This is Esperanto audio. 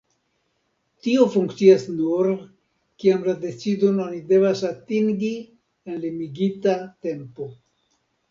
Tio funkcias nur, kiam la decidon oni devas atingi en limigita tempo.